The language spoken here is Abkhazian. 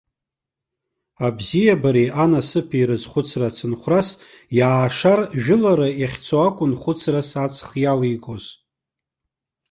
Абзиабареи анасыԥи рызхәыцра ацынхәрас, иаашар, жәылара иахьцо акәын хәыцрас аҵх иалигоз.